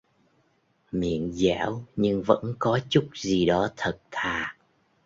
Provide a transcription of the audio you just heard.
Miệng dẻo nhưng vẫn có chút gì đó thật thà